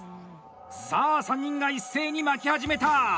さあ３人が一斉に巻き始めた！